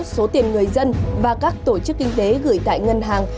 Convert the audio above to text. số tiền người dân và các tổ chức kinh tế gửi tại ngân hàng